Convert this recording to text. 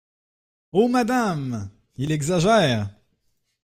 Oh ! madame, il exagère !